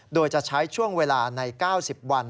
โดยจะใช้ช่วงเวลาใน๙๐วัน